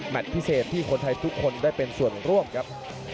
พิเศษที่คนไทยทุกคนได้เป็นส่วนร่วมครับ